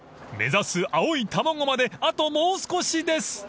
［目指す青い卵まであともう少しです］